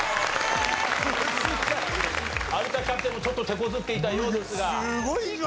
有田キャプテンもちょっと手こずっていたようですが。